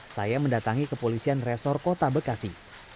saya mendatangi kepolisian resor kota bekasi